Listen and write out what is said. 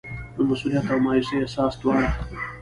د مسوولیت او مایوسۍ احساس دواړه.